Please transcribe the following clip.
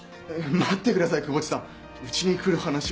待ってください窪地さんうちに来る話は。